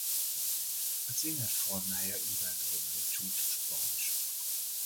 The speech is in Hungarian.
A címer formája ívelt oldalú csúcsos pajzs.